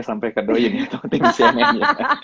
sampai ke doain ya atau ke tiktok cnn